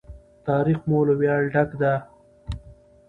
تاریخ مو له ویاړه ډک دی.